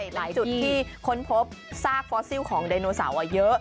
หลายจุดที่ค้นพบซากฟอสซิลของไดโนเสาร์เยอะ